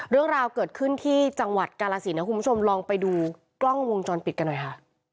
เรื่องราวเกิดขึ้นที่จังหวัดกาลสินนะคุณผู้ชมลองไปดูกล้องวงจรปิดกันหน่อยค่ะ